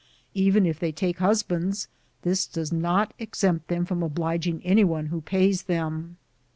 Even if they take husbands, this does not exempt them from obliging anyone who pays them.